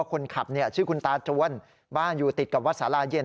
คนขับชื่อคุณตาจวนบ้านอยู่ติดกับวัดสาราเย็น